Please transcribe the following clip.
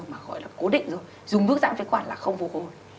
mà gọi là cố định rồi dùng mức giãn phế quản là không phục hồi